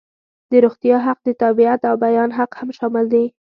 د روغتیا حق، د تابعیت او بیان حق هم شامل دي.